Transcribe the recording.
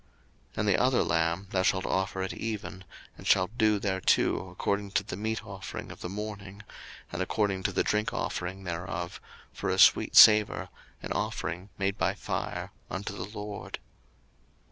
02:029:041 And the other lamb thou shalt offer at even, and shalt do thereto according to the meat offering of the morning, and according to the drink offering thereof, for a sweet savour, an offering made by fire unto the LORD.